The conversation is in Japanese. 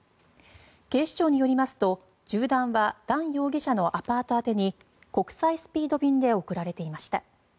警視庁によりますと、銃弾はダン容疑者のアパート宛てに国際スピード便で送られていました。